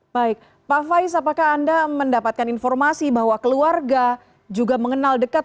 baik pak faiz apakah anda mendapatkan informasi bahwa keluarga juga mengenal dekat